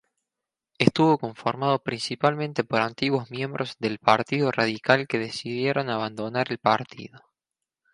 Estuvo conformado principalmente por antiguos miembros del Partido Radical que decidieron abandonar el partido.